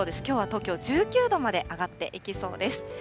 きょうは東京１９度まで上がっていきそうです。